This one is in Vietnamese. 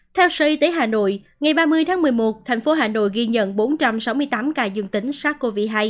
theo sở y tế hà nội ngày ba mươi tháng một mươi một thành phố hà nội ghi nhận bốn trăm sáu mươi tám ca dương tính sars cov hai